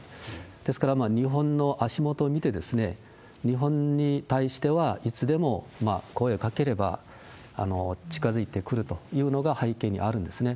ですから、日本の足元を見て、日本に対しては、いつでも声をかければ近づいてくるというのが背景にあるんですね。